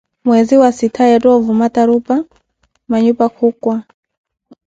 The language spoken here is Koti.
Mwezi wa siittaa, yeetha ovuma tarupha, manhupa khukwa